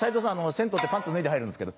銭湯ってパンツ脱いで入るんですけど」。